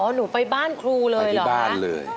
หนูไปบ้านครูเลยเหรอบ้านเลย